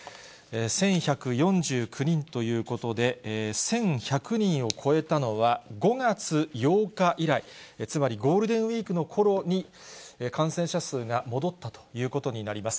１１４９人ということで、１１００人を超えたのは、５月８日以来、つまりゴールデンウィークのころに感染者数が戻ったということになります。